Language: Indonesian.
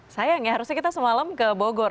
sayang ya harusnya kita semalam ke bogor